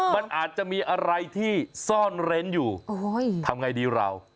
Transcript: มันอาจจะมีอะไรที่ซ่อนเร้นอยู่ทำไงดีเรา